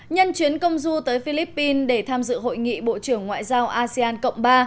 nhân chuyến công du tới philippines để tham dự hội nghị bộ trưởng ngoại giao asean cộng ba